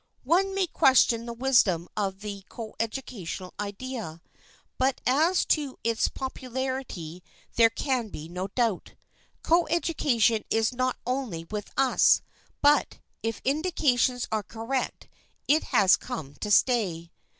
One may question the wisdom of the coeducational idea, but as to its popularity there can be no doubt. Coeducation is not only with us, but, if indications are correct, it has come to stay.